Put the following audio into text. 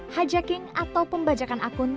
hijacking atau pembajakan akun